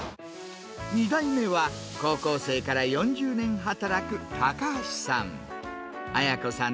２代目は高校生から４０年働く高橋さん。